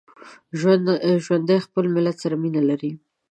ژوندي خپل ملت سره مینه لري